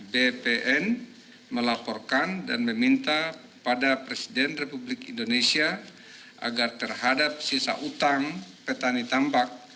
bpn melaporkan dan meminta kepada presiden republik indonesia agar terhadap sisa utang petani tambak